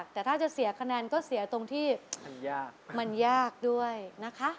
แต่ถ้าจะเสียคะแนนก็เสียตรงที่มันยากมันยากด้วยนะคะ